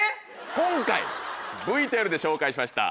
今回ＶＴＲで紹介しました。